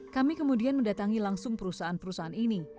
kami kemudian mendatangi langsung perusahaan perusahaan ini